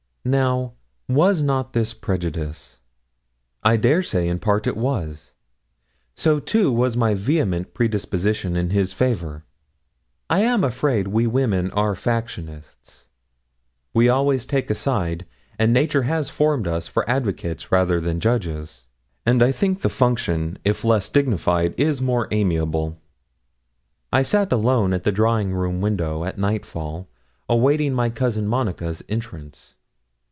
Now, was not this prejudice? I dare say in part it was. So, too, was my vehement predisposition in his favour. I am afraid we women are factionists; we always take a side, and nature has formed us for advocates rather than judges; and I think the function, if less dignified, is more amiable. I sat alone at the drawing room window, at nightfall, awaiting my cousin Monica's entrance.